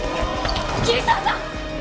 桐沢さん！